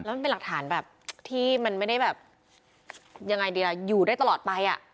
แล้วมันเป็นหลักฐานแบบที่มันไม่ได้แบบยังไงดีล่ะอยู่ได้ตลอดไปอ่ะ